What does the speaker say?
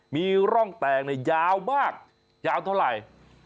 มีร่องแตกยาวมากยาวเท่าไหร่